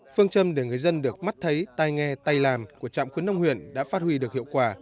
phương châm để người dân được mắt thấy tay nghe tay làm của trạm khuyến nông huyện đã phát huy được hiệu quả